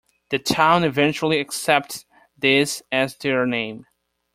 The town eventually accepted this as their name.